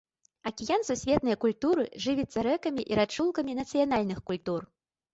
Акіян сусветнай культуры жывіцца рэкамі і рачулкамі нацыянальных культур.